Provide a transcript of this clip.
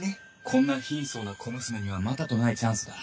こんな貧相な小娘にはまたとないチャンスだ